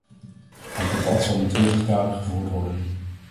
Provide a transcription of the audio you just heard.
Het debat zal in twintig talen gevoerd worden.